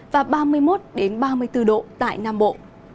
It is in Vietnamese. và ba mươi một ba mươi bốn độ tại nam bộ